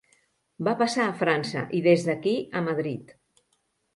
Va passar a França i des d'aquí a Madrid.